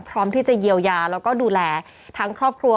พร้อมที่จะเยียวยาแล้วก็ดูแลทั้งครอบครัว